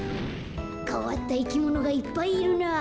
かわったいきものがいっぱいいるなあ。